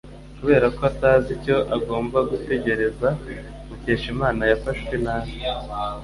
Kubera ko atazi icyo agomba gutegereza Mukeshimana yafashwe nabi